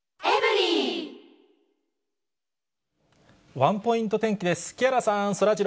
ワンポイント天気です。